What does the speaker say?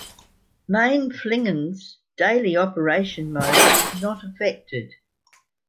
Mainflingen's daily operation mode was not affected.